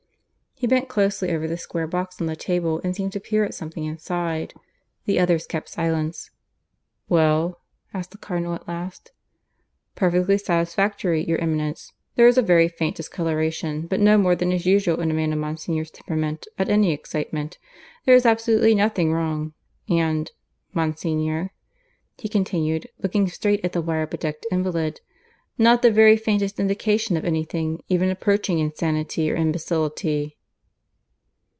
He bent closely over the square box on the table, and seemed to peer at something inside. The others kept silence. "Well?" asked the Cardinal at last. "Perfectly satisfactory, your Eminence. There is a very faint discoloration, but no more than is usual in a man of Monsignor's temperament at any excitement. There is absolutely nothing wrong, and Monsignor," he continued, looking straight at the wire bedecked invalid, "not the very faintest indication of anything even approaching insanity or imbecility."